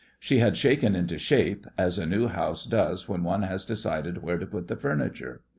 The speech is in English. She had shaken into shape, as a new house does when one has decided where to put the furniture.